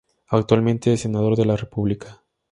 Actualmente es Senador de la República.